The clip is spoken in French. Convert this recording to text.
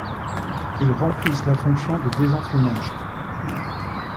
Ils remplissent la fonction de désenfumage.